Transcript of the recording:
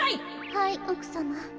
はいおくさま。